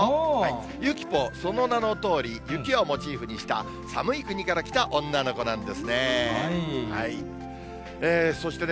ゆきポ、その名のとおり、雪をモチーフにした寒い国から来た女の子なんですね。